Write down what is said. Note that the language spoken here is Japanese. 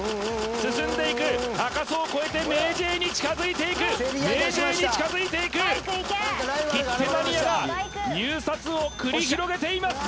進んでいく赤楚を超えてＭａｙＪ．に近づいていくＭａｙＪ．に近づいていく切手マニアが入札を繰り広げています